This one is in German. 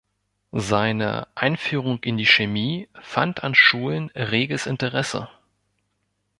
Seine "Einführung in die Chemie" fand an Schulen reges Interesse.